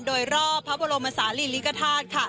โดยรอบพระบรมศาสตร์ริริกฐาศ